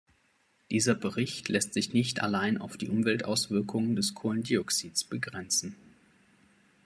Dieser Bericht lässt sich nicht allein auf die Umweltauswirkungen des Kohlendioxids begrenzen.